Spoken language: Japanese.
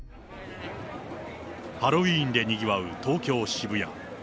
ハロウィーンでにぎわう東京・渋谷。